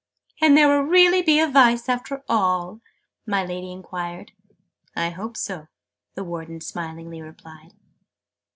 "And there will really be a Vice after all?" my Lady enquired. "I hope so!" the Warden smilingly replied.